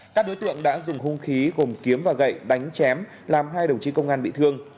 các đối tượng đã dùng hung khí gồm kiếm và gậy đánh chém làm hai đồng chí công an bị thương